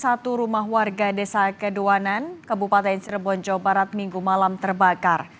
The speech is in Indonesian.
satu rumah warga desa keduanan kabupaten cirebon jawa barat minggu malam terbakar